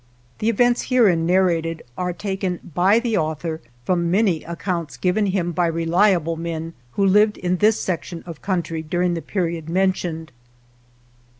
The events herein narrated are taken 86 '''»',''.',''*)>>,• OTHER RAIDS by the author from many accounts given him by reliable men who lived in this section of country during the period mentioned.